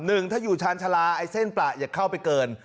หนึ่งถ้าอยู่ชาญชาลาไอ้เส้นประอย่าเข้าไปเกิน